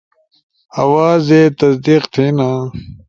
آوازے تصدیق تھینا